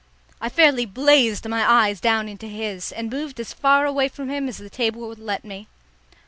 I fairly blazed my eyes down into his, and moved as far away from him as the table would let me.